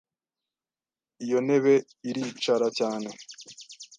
Iyo ntebe iricara cyane.